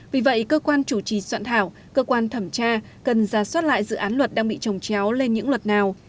vì vậy cơ quan chủ trì soạn thảo cơ quan thẩm tra cần ra soát lại dự án luật đang bị trồng chéo lên những luật nào